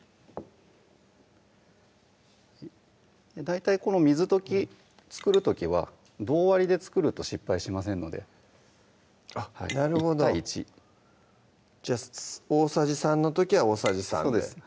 大体この水溶き作る時は同割りで作ると失敗しませんのでなるほど１対１じゃあ大さじ３の時は大さじ３でそうですね